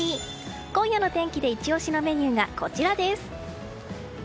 今夜の天気でイチ押しのメニューがこちらです。